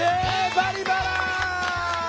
「バリバラ」！